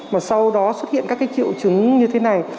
mà sau đó xuất hiện các cái triệu chứng như thế này